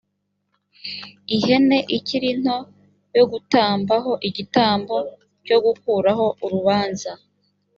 ihene ikiri nto yo gutamba ho igitambo cyo gukuraho urubanza